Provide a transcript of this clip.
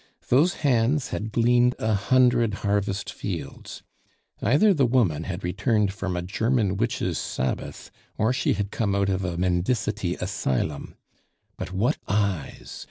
Those hands had gleaned a hundred harvest fields. Either the woman had returned from a German witches' Sabbath, or she had come out of a mendicity asylum. But what eyes!